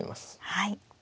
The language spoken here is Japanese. はい。